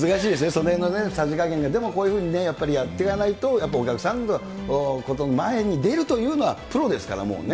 そのへんのさじ加減が、こういうふうにね、やっぱりやってかないと、やっぱお客さんの前に出るというのは、プロですから、もうね。